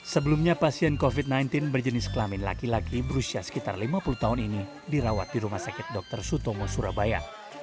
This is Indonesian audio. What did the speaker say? sebelumnya pasien covid sembilan belas berjenis kelamin laki laki berusia sekitar lima puluh tahun ini dirawat di rumah sakit dr sutomo surabaya